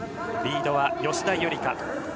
リードは吉田夕梨花。